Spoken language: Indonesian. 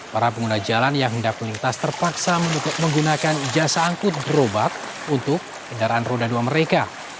para pengguna jalan yang hendak melintas terpaksa menggunakan jasa angkut gerobak untuk kendaraan roda dua mereka